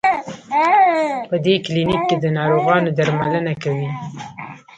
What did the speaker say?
په دې کلینک کې د ناروغانو درملنه کوي.